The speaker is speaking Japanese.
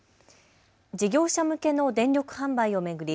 事業者向けの電力販売を巡り